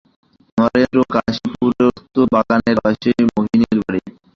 নরেন্দ্রের কাশীপুরস্থ বাগানের পাশেই মোহিনীর বাড়ি।